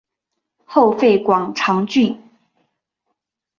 后废广长郡。